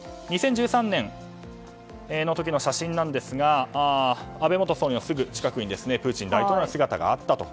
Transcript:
２０１３年の時の写真ですが安倍元総理のすぐ近くにプーチン大統領の姿があったと。